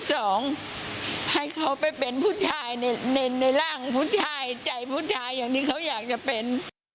สองให้เขาไปเป็นผู้ชายในร่างผู้ชายใจผู้ชายอย่างที่เขาอยากจะเป็น